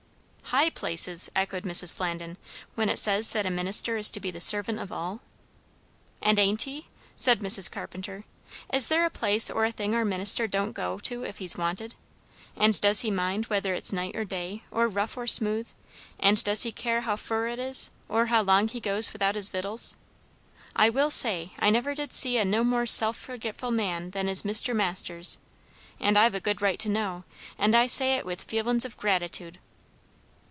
"High places!" echoed Mrs. Flandin. "When it says that a minister is to be the servant of all!" "And ain't he?" said Mrs. Carpenter. "Is there a place or a thing our minister don't go to if he's wanted? and does he mind whether it's night or day, or rough or smooth? and does he care how fur it is, or how long he goes without his victuals? I will say, I never did see a no more self forgetful man than is Mr. Masters; and I've a good right to know, and I say it with feelin's of gratitude."